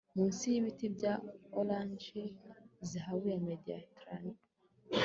Munsi yibiti bya orange zahabu ya Mediterane